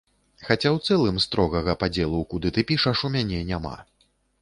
Хаця ў цэлым строгага падзелу, куды ты пішаш, у мяне няма.